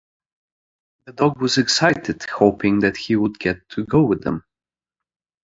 The dog was excited, hoping that he would get to go with them.